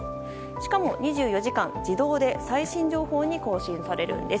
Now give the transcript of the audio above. しかも２４時間、自動で最新情報に更新されるんです。